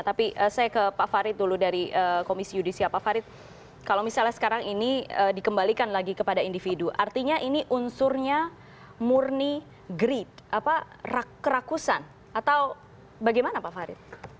tapi saya ke pak farid dulu dari komisi yudisial pak farid kalau misalnya sekarang ini dikembalikan lagi kepada individu artinya ini unsurnya murni grid kerakusan atau bagaimana pak farid